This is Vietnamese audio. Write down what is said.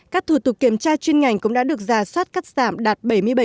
các thủ tục kiểm tra chuyên ngành cũng đã được giả soát cắt giảm đạt bảy mươi bảy